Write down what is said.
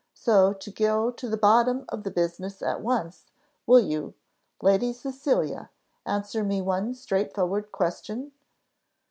So, to go to the bottom of the business at once, will you, Lady Cecilia, answer me one straight forward question?"